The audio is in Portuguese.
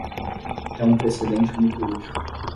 É um precedente muito útil.